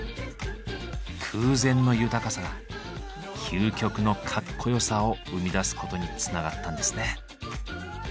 空前の豊かさが究極のかっこよさを生み出すことにつながったんですね。